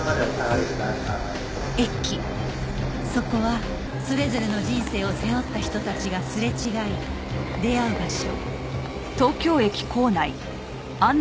そこはそれぞれの人生を背負った人たちがすれ違い出会う場所